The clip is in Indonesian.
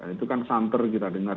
itu kan santer kita dengar